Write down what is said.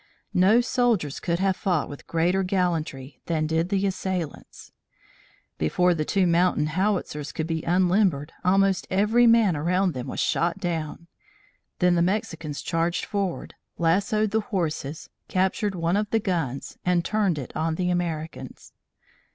No soldiers could have fought with greater gallantry than did the assailants. Before the two mountain howitzers could be unlimbered, almost every man around them was shot down. Then the Mexicans charged forward, lassoed the horses, captured one of the guns and turned it on the Americans.